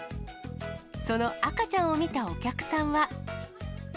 その赤ちゃんを見たお客さんは。